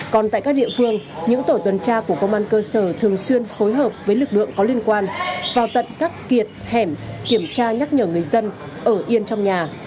còn tại các địa phương những tổ tuần tra của công an cơ sở thường xuyên phối hợp với lực lượng có liên quan vào tận các kiệt hẻm kiểm tra nhắc nhở người dân ở yên trong nhà